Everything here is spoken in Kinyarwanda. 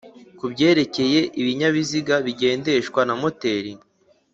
Ku byerekeye ibinyabiziga bigendeshwa na moteri